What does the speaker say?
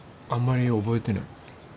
あんまり覚えてない。